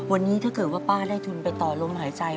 วันนี้ถ้าเกิดว่าป้าได้ทุนไปต่อลมหายใจ